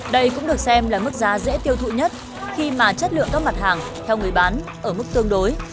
đây cũng được xem là mức giá dễ tiêu thụ nhất khi mà chất lượng các mặt hàng theo người bán ở mức tương đối